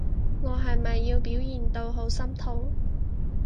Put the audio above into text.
我係咪要表現到好心痛？